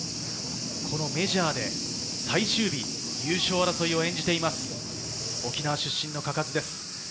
メジャーで最終日、優勝争いを演じています、沖縄出身の嘉数です。